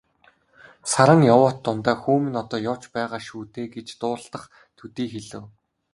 Саран явуут дундаа "Хүү минь одоо явж байгаа шүү дээ" гэж дуулдах төдий хэлэв.